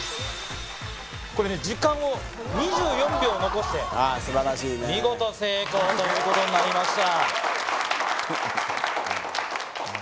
これね時間も２４秒残して見事成功ということになりました。